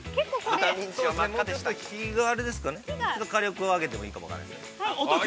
◆もうちょっと火があれですかね、火力を上げていいかも分からないですね。